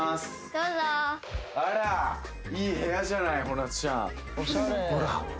どうぞあらいい部屋じゃないほなつちゃんほら